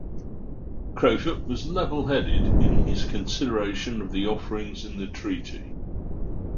Crowfoot was levelheaded in his consideration of the offerings in the treaty.